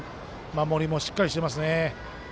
守りもしっかりしてますね。